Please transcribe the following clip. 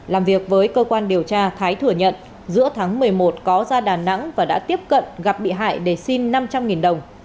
làm việc với cơ quan điều tra thái thừa nhận giữa tháng một mươi một có ra đà nẵng và đã tiếp cận gặp bị hại để xin năm trăm linh đồng